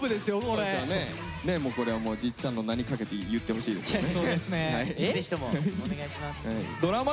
もうこれはじっちゃんの名にかけて言ってほしいですよね。